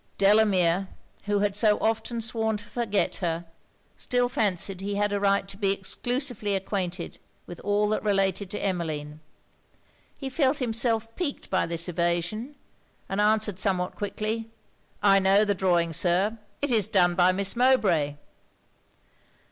Delamere, who had so often sworn to forget her, still fancied he had a right to be exclusively acquainted with all that related to Emmeline. He felt himself piqued by this evasion, and answered somewhat quickly 'I know the drawing, Sir; it is done by Miss Mowbray.'